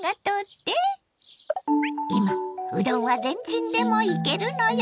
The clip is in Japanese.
今うどんはレンチンでもいけるのよ！